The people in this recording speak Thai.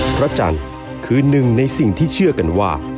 พระจันทร์คือหนึ่งในสิ่งที่เชื่อกันว่า